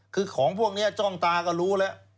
คือของพวกนี้จ้องตาก็รู้แล้ว